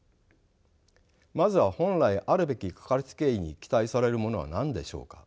まずは本来あるべきかかりつけ医に期待されるものは何でしょうか。